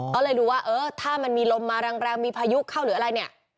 ก็เลยดูว่าเออถ้ามันมีลมมาแรงมีพายุเข้าหรืออะไรเนี่ย